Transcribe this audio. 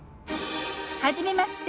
はじめまして。